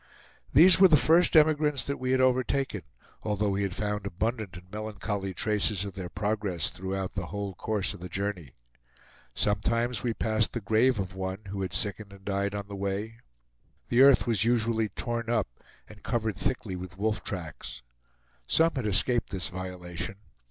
These were the first emigrants that we had overtaken, although we had found abundant and melancholy traces of their progress throughout the whole course of the journey. Sometimes we passed the grave of one who had sickened and died on the way. The earth was usually torn up, and covered thickly with wolf tracks. Some had escaped this violation.